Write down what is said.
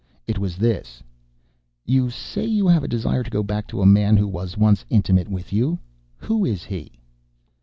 It was this: "You say you have a desire to go back to a man who was once intimate with you. Who is he?"